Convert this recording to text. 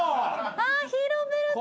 あっヒーローベルト。